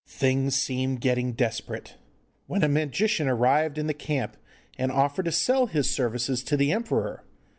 Things seemed getting desperate, when a magician arrived in the camp and offered to sell his services to the emperor.